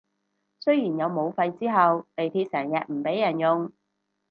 雖然有武肺之後地鐵成日唔畀人用